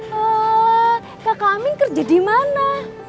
wah kak kang amin kerja dimana